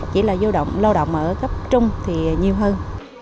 chỉ là lao động ở cấp trung thì nhiều hơn